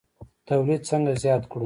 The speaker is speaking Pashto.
تولید څنګه زیات کړو؟